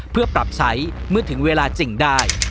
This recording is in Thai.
เพื่อปรับใช้เวลาถึงจริงได้